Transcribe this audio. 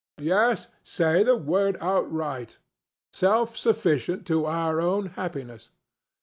Yes, say the word outright: self sufficient to our own happiness.